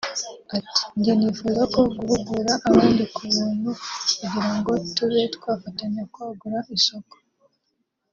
Ati “Jye nifuza no guhugura abandi ku buntu kugira ngo tube twafatanya kwagura isoko